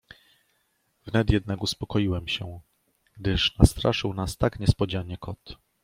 "Wnet jednak uspokoiłem się, gdyż nastraszył nas tak niespodzianie kot."